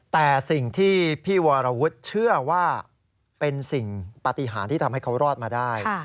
แต่สิ่งที่พี่วรวุฒิเชื่อว่าเป็นสิ่งปฏิหารที่ทำให้เขารอดมาได้